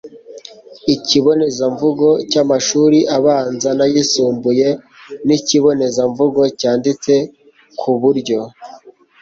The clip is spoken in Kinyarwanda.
ikibonezamvugo cy'amashuri abanza n'ayisumbuye. ni ikibonezamvugo cyanditse ku buryo